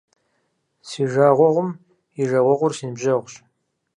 Си жагъуэгъум и жагъуэгъур - си ныбжьэгъущ.